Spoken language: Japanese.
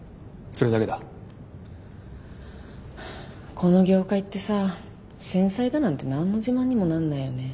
この業界ってさ繊細だなんて何の自慢にもなんないよね。